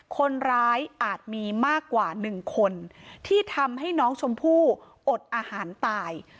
อาจมีมากกว่า๑คนที่ทำให้น้องชมพู่อดอาหารตาย